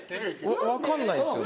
・分かんないんですよ。